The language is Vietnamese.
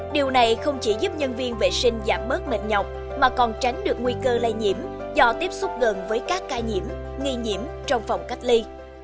điều này không chỉ giúp nhân viên vệ sinh giảm bớt mệt nhọc mà còn tránh được nguy cơ lây nhiễm do tiếp xúc gần với các ca nhiễm nghi nhiễm trong phòng cách ly